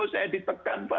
oh saya ditekan pak